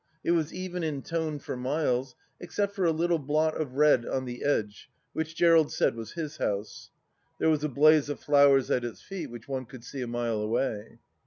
It was even in tone for miles, except for a little blot of red on the edge, which Gerald said was his house. ... There was a blaze of flowers at its feet which one could see a mile away